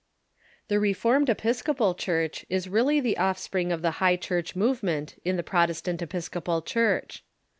The Reformed Episcopal Church is really the offspring of the High Church movement in the Protestant Episcopal Church.